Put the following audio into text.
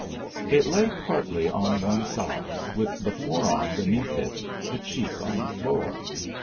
It lay partly on one side, with the forearm beneath it, the cheek on the floor.